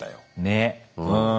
ねえうん。